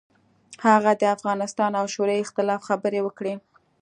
هغه د افغانستان او شوروي اختلاف خبرې وکړې.